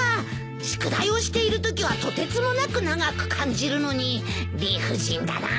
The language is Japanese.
宿題をしているときはとてつもなく長く感じるのに理不尽だなあ。